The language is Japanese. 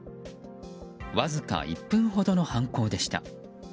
わずか１分ほどの犯行でした。